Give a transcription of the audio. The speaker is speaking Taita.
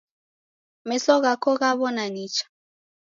Meso ghako ghaw'ona nicha?